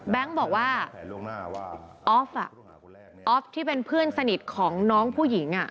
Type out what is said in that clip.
บอกว่าออฟออฟที่เป็นเพื่อนสนิทของน้องผู้หญิง